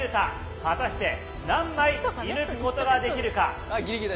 果たして、何枚射抜くことができるか。